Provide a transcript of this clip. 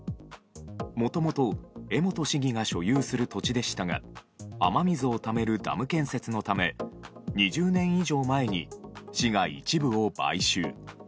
もともと、江本市議が所有する土地でしたが雨水をためるダム建設のため２０年以上前に市が一部を買収。